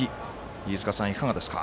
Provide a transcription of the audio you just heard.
飯塚さん、いかがですか？